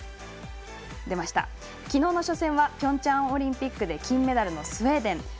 昨日の初戦はピョンチャンオリンピックで金メダルのスウェーデン。